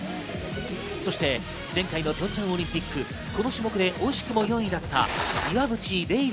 そして前回のピョンチャンオリンピック、この種目で惜しくも４位だった岩渕麗